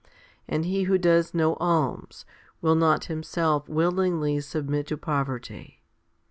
And he who does no alms, will not himself willingly submit to poverty.